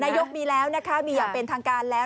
นายกมีแล้วนะคะมีอย่างเป็นทางการแล้ว